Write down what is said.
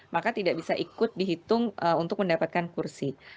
maka tidak bisa ikut dihitung untuk mendapatkan kursi